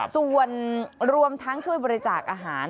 ส่วนรวมทั้งช่วยบริจาคอาหาร